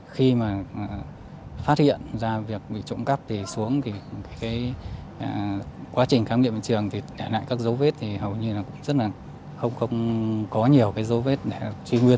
khi mà phát hiện ra việc bị trộm cắp thì xuống thì quá trình khám nghiệm hiện trường thì lại các dấu vết thì hầu như là cũng rất là không có nhiều cái dấu vết để truy nguyên